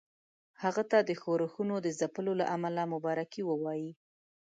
هغه ته د ښورښونو د ځپلو له امله مبارکي ووايي.